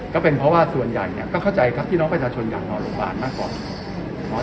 ก็เป็นเพราะว่าส่วนใหญ่เนี่ยก็เข้าใจครับพี่น้องประชาชนอยากนอนโรงพยาบาลมากกว่า